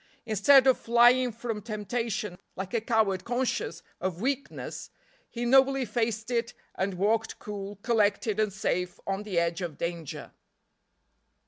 Instead of flying from temptation, like a coward conscious of weakness, he nobly faced it and walked cool, collected and safe on the edge of danger.